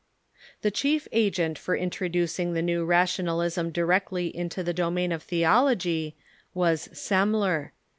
The chief agent for introducing the new Rationalism directly into the domain of theology was Semler.